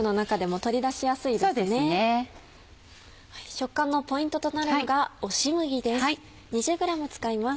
食感のポイントとなるのが押し麦です。